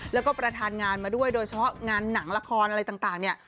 แล้วก็ประธานงานมาด้วยโดยเฉพาะงานหนังละครอะไรต่างเนี่ย